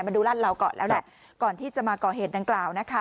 มาดูรัดเราก่อนแล้วแหละก่อนที่จะมาก่อเหตุดังกล่าวนะคะ